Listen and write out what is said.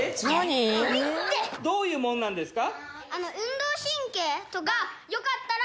どういうものなんですか？